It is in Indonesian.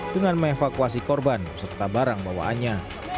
dengan mengevakuasi korban serta barang bawaannya